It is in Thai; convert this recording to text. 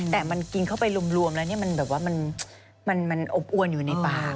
แต่มันกินเข้าไปรวมแล้วมันแบบว่ามันอบอวนอยู่ในปาก